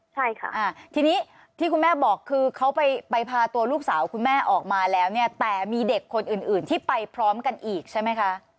ใช่ค่ะทีนี้ที่คุณแม่บอกคือเขาไปพาตัวลูกสาวคุณแม่ออกมาแล้วเนี่ยแต่มีเด็กคนอื่นที่ไปพร้อมกันอีกใช่ไหมคะ